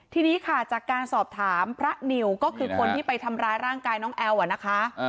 ทีนี้ค่ะจากการสอบถามพระนิวก็คือคนที่ไปทำร้ายร่างกายน้องแอลอ่ะนะคะ